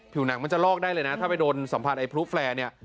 หนังมันจะลอกได้เลยนะถ้าไปโดนสัมพันธ์ไอพลุแฟร์เนี่ย